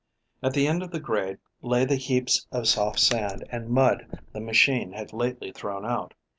At the end of the grade lay the heaps of soft sand and mud the machine had lately thrown out.